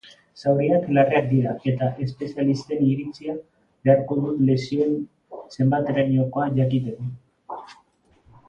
Zauriak larriak dira, eta espazialisten iritzia beharko dut lesioen zenbaterainokoa jakiteko.